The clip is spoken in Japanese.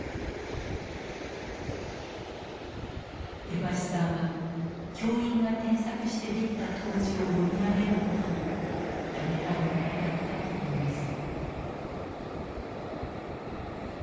江橋さんは教員が添削して出来た答辞を読み上げることにためらいはなかったといいます。